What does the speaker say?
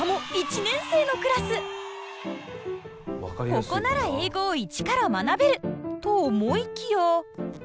ここなら英語を一から学べると思いきや。